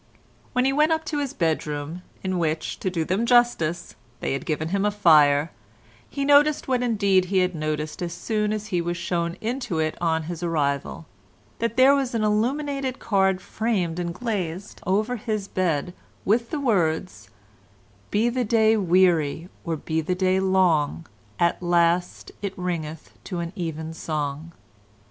When he went up to his bedroom, in which, to do them justice, they had given him a fire, he noticed what indeed he had noticed as soon as he was shown into it on his arrival, that there was an illuminated card framed and glazed over his bed with the words, "Be the day weary or be the day long, at last it ringeth to evensong."